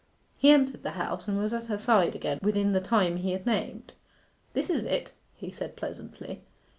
He entered the house and was at her side again within the time he had named. 'This is it,' he said pleasantly.